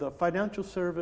dan meine rai setelah ini